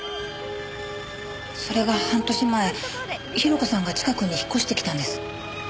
それが半年前広子さんが近くに引っ越してきたんです。